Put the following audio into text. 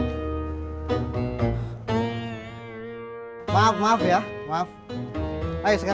melakukan untuk mengamalkan